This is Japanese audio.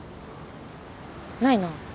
ないな。